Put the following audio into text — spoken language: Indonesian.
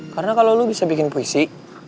karena kalau lo bisa bikin puisi